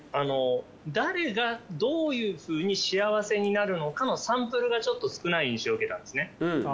誰がどういうふうに幸せになるのかのサンプルがちょっと少ない印象を受けたんですね。